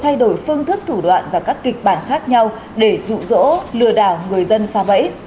thay đổi phương thức thủ đoạn và các kịch bản khác nhau để dụ dỗ lừa đảo người dân xa bẫy